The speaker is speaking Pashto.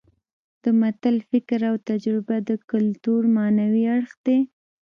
د متل فکر او تجربه د کولتور معنوي اړخ دی